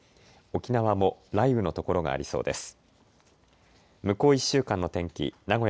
沖縄も雷雨の所がありそうです。